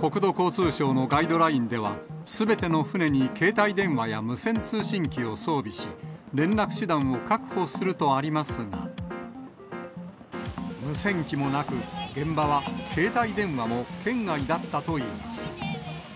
国土交通省のガイドラインでは、すべての船に携帯電話や無線通信機を装備し、連絡手段を確保するとありますが、無線機もなく、現場は携帯電話も圏外だったといいます。